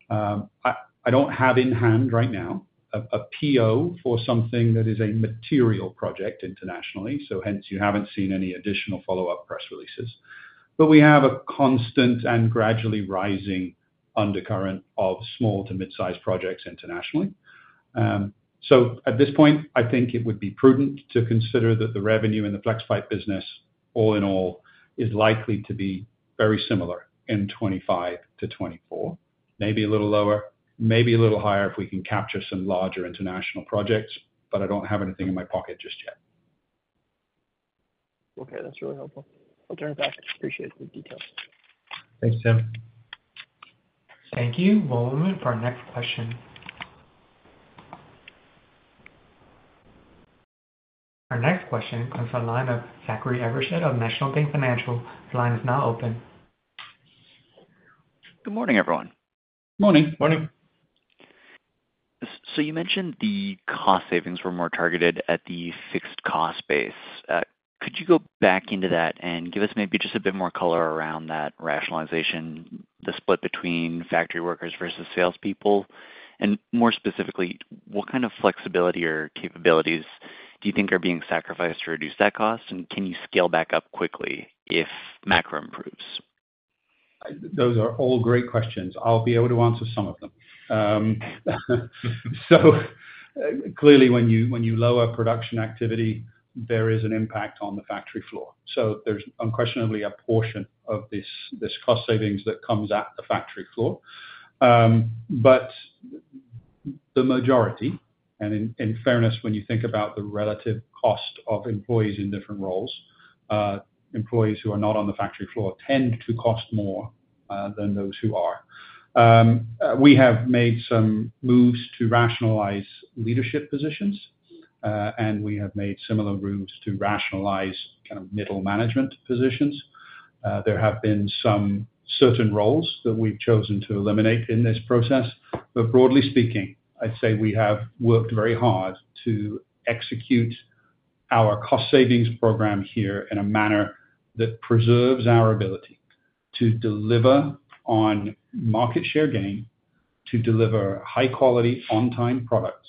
I don't have in hand right now a PO for something that is a material project internationally, so hence you haven't seen any additional follow-up press releases. But we have a constant and gradually rising undercurrent of small to mid-sized projects internationally. So at this point, I think it would be prudent to consider that the revenue in the flex pipe business, all in all, is likely to be very similar in 2025 to 2024. Maybe a little lower, maybe a little higher if we can capture some larger international projects, but I don't have anything in my pocket just yet. Okay. That's really helpful. I'll turn it back. Appreciate the details. Thanks, Tim. Thank you. One moment for our next question. Our next question comes from the line of Zachary Evershed of National Bank Financial. The line is now open. Good morning, everyone. Morning. Morning. You mentioned the cost savings were more targeted at the fixed cost base. Could you go back into that and give us maybe just a bit more color around that rationalization, the split between factory workers versus salespeople? And more specifically, what kind of flexibility or capabilities do you think are being sacrificed to reduce that cost? And can you scale back up quickly if macro improves? Those are all great questions. I'll be able to answer some of them. Clearly, when you lower production activity, there is an impact on the factory floor. So there's unquestionably a portion of this cost savings that comes at the factory floor. But the majority, and in fairness, when you think about the relative cost of employees in different roles, employees who are not on the factory floor tend to cost more than those who are. We have made some moves to rationalize leadership positions, and we have made similar moves to rationalize kind of middle management positions. There have been some certain roles that we've chosen to eliminate in this process. But broadly speaking, I'd say we have worked very hard to execute our cost savings program here in a manner that preserves our ability to deliver on market share gain, to deliver high-quality on-time products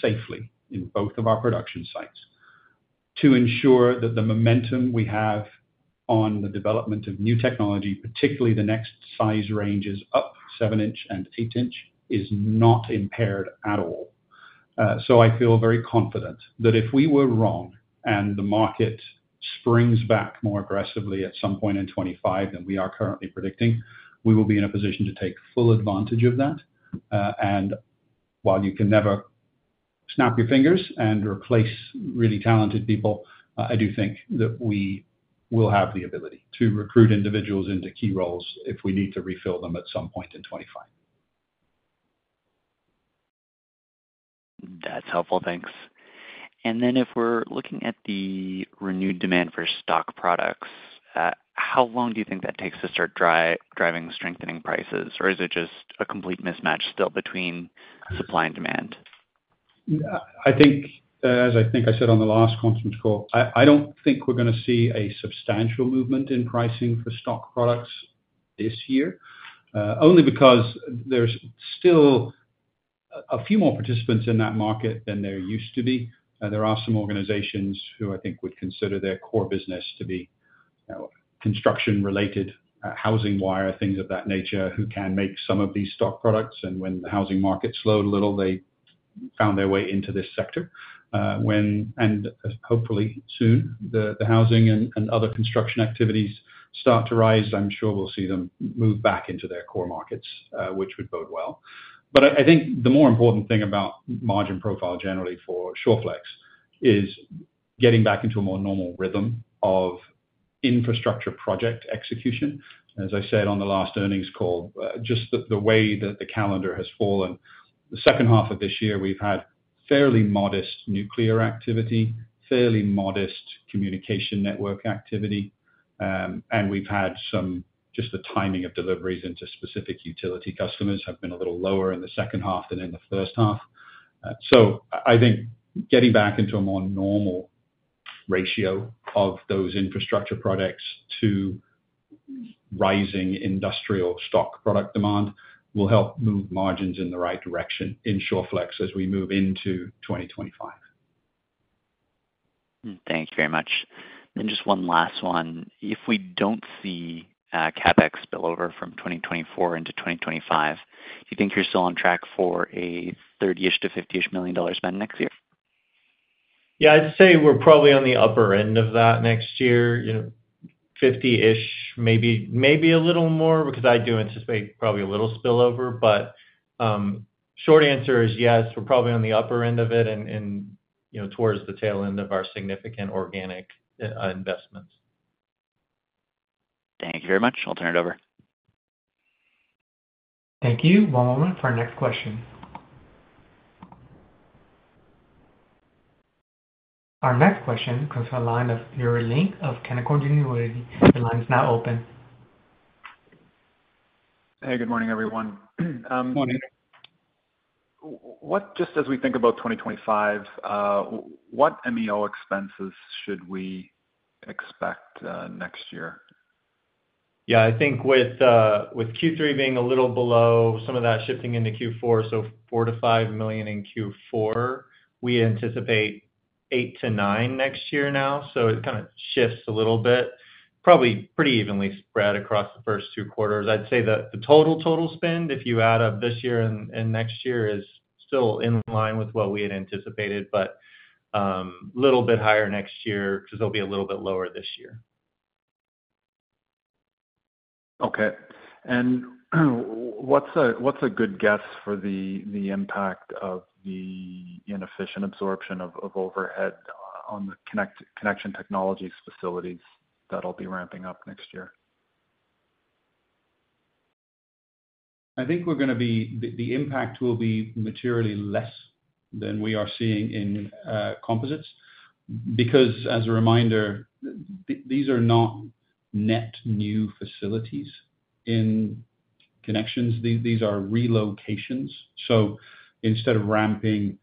safely in both of our production sites, to ensure that the momentum we have on the development of new technology, particularly the next size ranges up 7 in and 8 in, is not impaired at all. So I feel very confident that if we were wrong and the market springs back more aggressively at some point in 2025 than we are currently predicting, we will be in a position to take full advantage of that. And while you can never snap your fingers and replace really talented people, I do think that we will have the ability to recruit individuals into key roles if we need to refill them at some point in 2025. That's helpful. Thanks. And then if we're looking at the renewed demand for stock products, how long do you think that takes to start driving strengthening prices? Or is it just a complete mismatch still between supply and demand? I think, as I think I said on the last conference call, I don't think we're going to see a substantial movement in pricing for stock products this year, only because there's still a few more participants in that market than there used to be. There are some organizations who I think would consider their core business to be construction-related, housing wire, things of that nature, who can make some of these stock products, and when the housing market slowed a little, they found their way into this sector, and hopefully soon, the housing and other construction activities start to rise. I'm sure we'll see them move back into their core markets, which would bode well, but I think the more important thing about margin profile generally for Shawflex is getting back into a more normal rhythm of infrastructure project execution. As I said on the last earnings call, just the way that the calendar has fallen, the second half of this year, we've had fairly modest nuclear activity, fairly modest communication network activity, and we've had some just the timing of deliveries into specific utility customers have been a little lower in the second half than in the first half. So I think getting back into a more normal ratio of those infrastructure products to rising industrial stock product demand will help move margins in the right direction in Shawflex as we move into 2025. Thank you very much, and just one last one. If we don't see CapEx spillover from 2024 into 2025, do you think you're still on track for a 30-ish million-50-ish million dollars spend next year? Yeah. I'd say we're probably on the upper end of that next year, 50-ish million, maybe a little more, because I do anticipate probably a little spillover. But short answer is yes, we're probably on the upper end of it and towards the tail end of our significant organic investments. Thank you very much. I'll turn it over. Thank you. One moment for our next question. Our next question comes from Yuri Lynk of Canaccord Genuity. The line is now open. Hey. Good morning, everyone. Morning. Just as we think about 2025, what MEO expenses should we expect next year? Yeah. I think with Q3 being a little below some of that shifting into Q4, so 4 million-5 million in Q4, we anticipate 8 million-9 million next year now. So it kind of shifts a little bit, probably pretty evenly spread across the first two quarters. I'd say the total spend, if you add up this year and next year, is still in line with what we had anticipated, but a little bit higher next year because it'll be a little bit lower this year. Okay. And what's a good guess for the impact of the inefficient absorption of overhead on the connection technology facilities that'll be ramping up next year? I think the impact will be materially less than we are seeing in composites because, as a reminder, these are not net new facilities in connections. These are relocations. So instead of ramping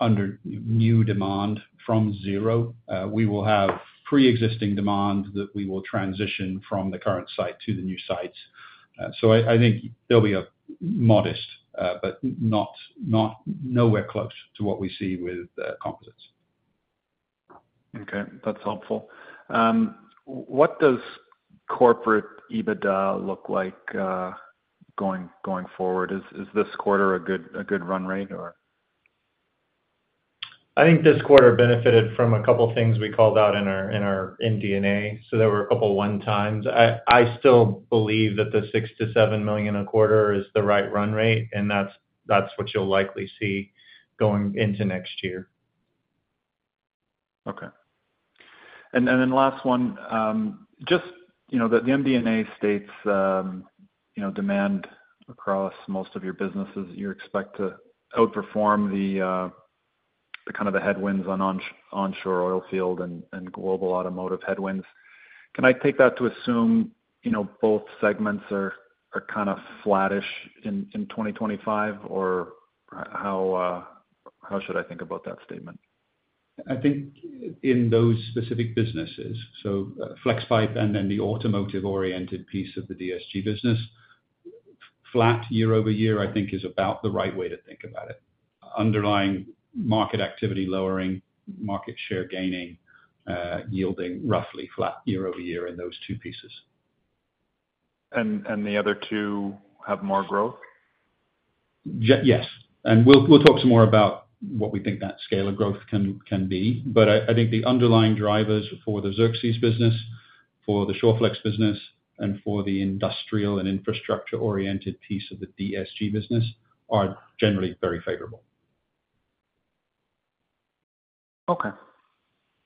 under new demand from zero, we will have pre-existing demand that we will transition from the current site to the new sites. So I think there'll be a modest, but nowhere close to what we see with composites. Okay. That's helpful. What does corporate EBITDA look like going forward? Is this quarter a good run rate, or? I think this quarter benefited from a couple of things we called out in our MD&A. So there were a couple of 1x. I still believe that the 6 million-7 million a quarter is the right run rate, and that's what you'll likely see going into next year. Okay. And then last one, just the MD&A states demand across most of your businesses that you expect to outperform the kind of the headwinds on onshore oil field and global automotive headwinds. Can I take that to assume both segments are kind of flattish in 2025, or how should I think about that statement? I think in those specific businesses, so flex pipe and then the automotive-oriented piece of the DSG business, flat year-over-year, I think, is about the right way to think about it. Underlying market activity lowering, market share gaining, yielding roughly flat year-over-year in those two pieces. And the other two have more growth? Yes. And we'll talk some more about what we think that scale of growth can be. But I think the underlying drivers for the Xerxes business, for the Shawflex business, and for the industrial and infrastructure-oriented piece of the DSG business are generally very favorable. Okay.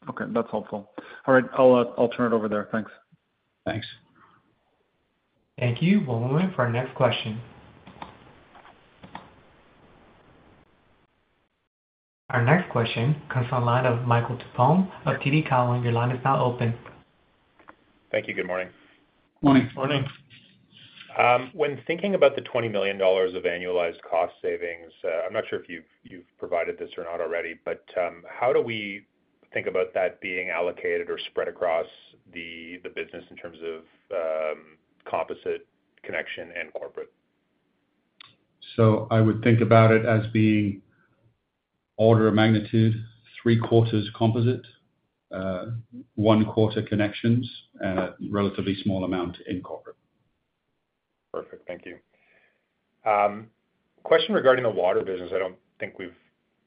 Okay. That's helpful. All right. I'll turn it over there. Thanks. Thanks. Thank you. One moment for our next question. Our next question comes from the line of Michael Tupholme of TD Cowen. Your line is now open. Thank you. Good morning. Morning. Morning. When thinking about the 20 million dollars of annualized cost savings, I'm not sure if you've provided this or not already, but how do we think about that being allocated or spread across the business in terms of composite connection and corporate? So I would think about it as being order of magnitude, three-quarters composite, one-quarter connections, and a relatively small amount in corporate. Perfect. Thank you. Question regarding the water business. I don't think we've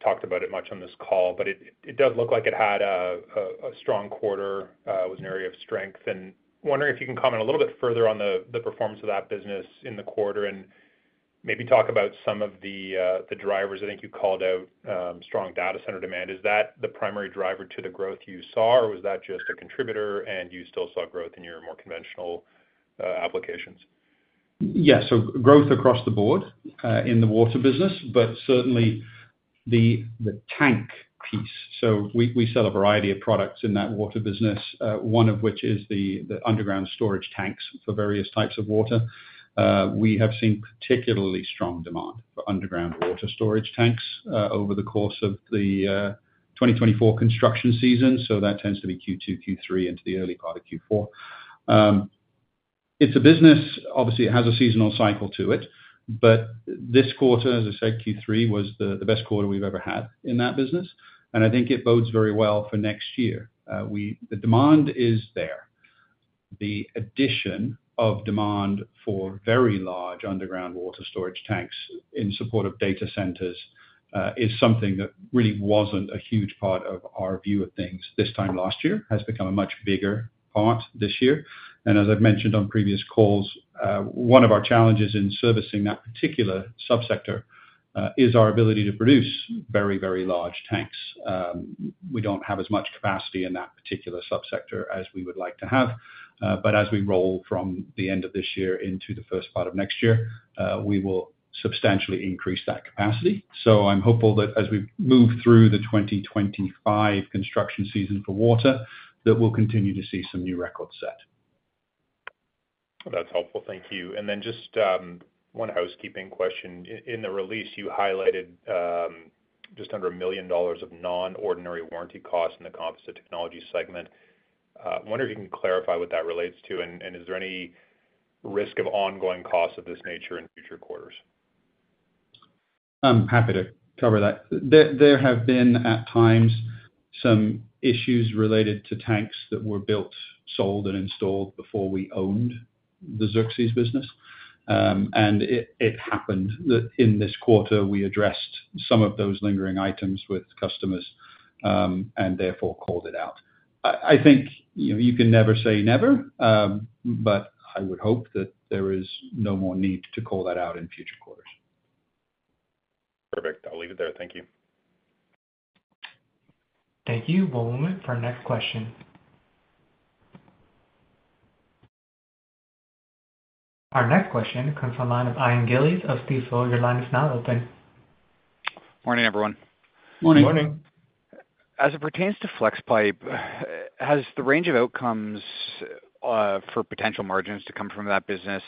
talked about it much on this call, but it does look like it had a strong quarter. It was an area of strength, and wondering if you can comment a little bit further on the performance of that business in the quarter and maybe talk about some of the drivers. I think you called out strong data center demand. Is that the primary driver to the growth you saw, or was that just a contributor and you still saw growth in your more conventional applications? Yeah. So growth across the board in the water business, but certainly the tank piece. So we sell a variety of products in that water business, one of which is the underground storage tanks for various types of water. We have seen particularly strong demand for underground water storage tanks over the course of the 2024 construction season. So that tends to be Q2, Q3, into the early part of Q4. It's a business, obviously, it has a seasonal cycle to it, but this quarter, as I said, Q3 was the best quarter we've ever had in that business. And I think it bodes very well for next year. The demand is there. The addition of demand for very large underground water storage tanks in support of data centers is something that really wasn't a huge part of our view of things this time last year, has become a much bigger part this year, and as I've mentioned on previous calls, one of our challenges in servicing that particular subsector is our ability to produce very, very large tanks. We don't have as much capacity in that particular subsector as we would like to have, but as we roll from the end of this year into the first part of next year, we will substantially increase that capacity, so I'm hopeful that as we move through the 2025 construction season for water, that we'll continue to see some new records set. That's helpful. Thank you, and then just one housekeeping question. In the release, you highlighted just under 1 million dollars of non-ordinary warranty costs in the Composite Technologies segment. I wonder if you can clarify what that relates to, and is there any risk of ongoing costs of this nature in future quarters? I'm happy to cover that. There have been at times some issues related to tanks that were built, sold, and installed before we owned the Xerxes business, and it happened that in this quarter, we addressed some of those lingering items with customers and therefore called it out. I think you can never say never, but I would hope that there is no more need to call that out in future quarters. Perfect. I'll leave it there. Thank you. Thank you. One moment for our next question. Our next question comes from the line of Ian Gillies of Stifel. Your line is now open. Morning, everyone. Morning. Morning. As it pertains to flex pipe, has the range of outcomes for potential margins to come from that business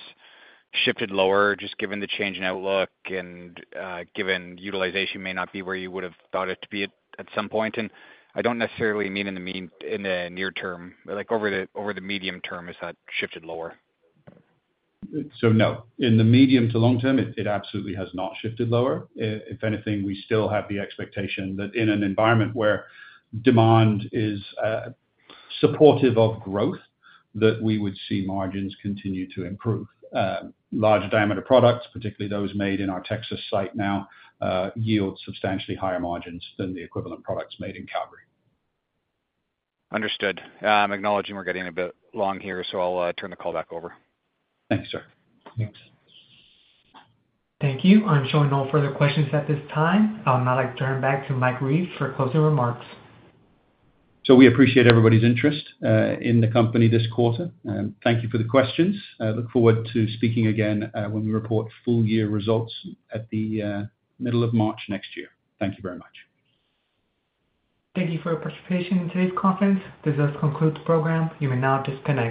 shifted lower just given the change in outlook and given utilization may not be where you would have thought it to be at some point? And I don't necessarily mean in the near term, but over the medium term, has that shifted lower? So no. In the medium to long term, it absolutely has not shifted lower. If anything, we still have the expectation that in an environment where demand is supportive of growth, that we would see margins continue to improve. Large diameter products, particularly those made in our Texas site now, yield substantially higher margins than the equivalent products made in Calgary. Understood. I'm acknowledging we're getting a bit long here, so I'll turn the call back over. Thanks, sir. Thanks. Thank you. I'm showing no further questions at this time. I'll now turn it back to Mike Reeves for closing remarks. So we appreciate everybody's interest in the company this quarter. Thank you for the questions. Look forward to speaking again when we report full-year results at the middle of March next year. Thank you very much. Thank you for your participation in today's conference. This does conclude the program. You may now disconnect.